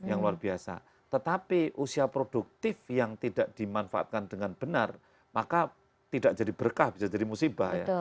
yang luar biasa tetapi usia produktif yang tidak dimanfaatkan dengan benar maka tidak jadi berkah bisa jadi musibah ya